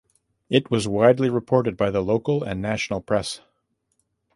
It was widely reported by the local and national press.